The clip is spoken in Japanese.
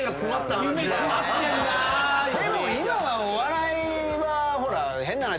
でも今はお笑いは変な話。